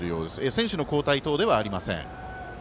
選手の交代等ではありません。